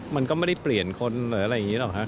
มันก็ไม่ได้เปลี่ยนคนหรืออะไรอย่างนี้หรอกฮะ